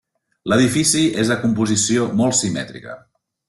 L'edifici és de composició molt simètrica.